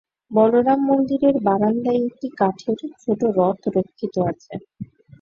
বলরাম মন্দিরের বারান্দায় একটি কাঠের ছোটো রথ রক্ষিত আছে।